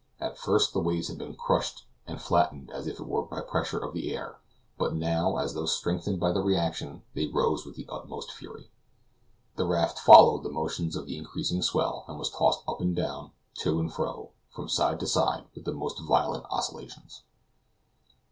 At first the waves had been crushed and flattened as it were by the pressure of the air, but now, as though strengthened by the reaction, they rose with the utmost fury. The raft followed the motions of the increasing swell, and was tossed up and down, to and fro, and from side to side with the most violent oscillations.